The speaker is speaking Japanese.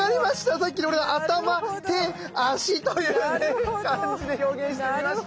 さっきの俺頭手足というね感じで表現してみました。